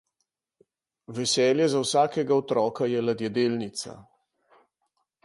Veselje za vsakega otroka je ladjedelnica.